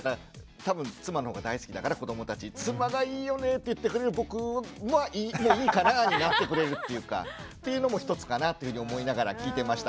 多分妻のほうが大好きだから子どもたち妻がいいよねって言ってくれる僕はもういいかなになってくれるっていうか。というのも１つかなっていうふうに思いながら聞いてました。